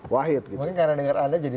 wahid mungkin karena denger anda jadi